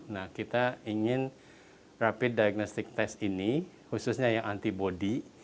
nah kita ingin rapid diagnostic test ini khususnya yang antibody